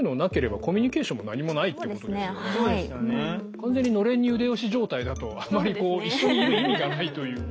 完全に「暖簾に腕押し」状態だとあまりこう一緒にいる意味がないというか。